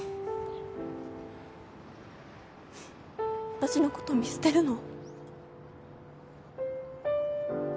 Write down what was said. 私のこと見捨てるの？